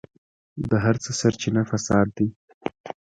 د هر څه سرچينه فساد دی.